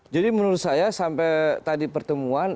jadi menurut saya sampai tadi pertemuan